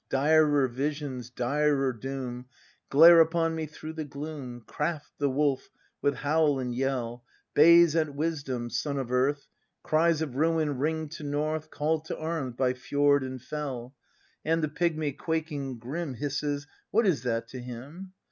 Direr visions, direr doom. Glare upon me through the gloom. Craft, the wolf, with howl and yell, Bays at Wisdom, sun of earth; Cries of ruin ring to North, Call to arms by fjord and fell; And the pigmy, quaking, grim. Hisses: "What is that to him?"